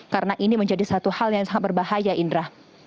karena ini menjadi satu hal yang sangat berbahaya indra